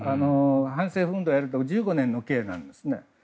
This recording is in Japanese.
反戦運動をやると１５年の刑なんですね。